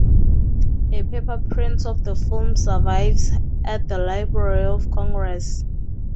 A paper print of the film survives at the Library of Congress.